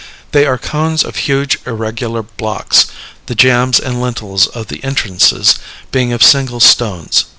They are cones of huge, irregular blocks, the jambs and lintels of the entrances being of single stones.